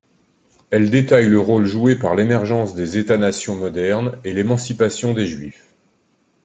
Elle détaille le rôle joué par l’émergence des États-nations modernes et l’émancipation des Juifs.